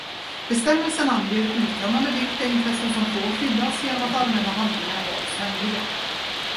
Bestämmelsen anger uttömmande vilka intressen som får skyddas genom att allmänna handlingar hålls hemliga.